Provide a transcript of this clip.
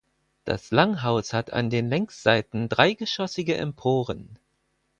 Das Langhaus hat an den Längsseiten dreigeschossige Emporen.